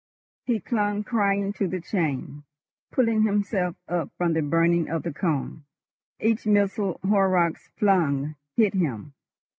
He clung crying to the chain, pulling himself up from the burning of the cone. Each missile Horrocks flung hit him.